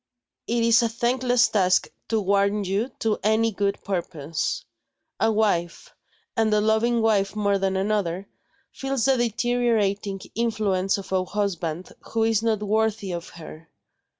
It is a thankless task to warn you to any good purpose. A wife and a loving wife more than another feels the deteriorating influence of a husband who is not worthy of her.